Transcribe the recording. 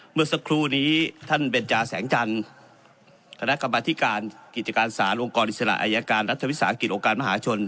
เมื่อสักครู่นี้ท่านเบนจาแสงจันทร์คณะกรรมธิการกิจการศาลองค์กรอิสระอายการรัฐวิสาหกิจองค์การมหาชน